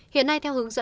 hiện nay theo hướng dẫn